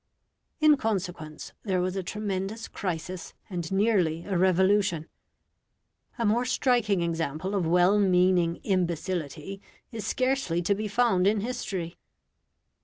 In consequence, there was a tremendous crisis and nearly a revolution. A more striking example of well meaning imbecility is scarcely to be found in history.